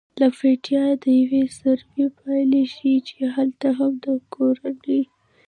له فنلنډه د یوې سروې پایلې ښیي چې هلته هم د کورنۍ